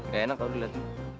gak enak kalau lo liat